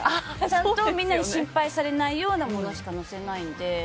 ちゃんとみんなに心配されないようなものしか載せないので。